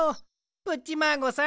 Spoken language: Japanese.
プッチマーゴさん